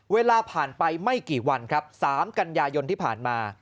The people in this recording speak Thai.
เวลาผ่านไปไม่กี่วันครับ๓กันยายนที่ผ่านมา